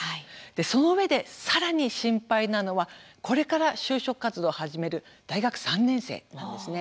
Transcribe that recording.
そのうえで、さらに心配なのはこれから就職活動を始める大学３年生なんですね。